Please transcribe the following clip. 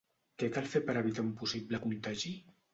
Què cal fer per evitar un possible contagi?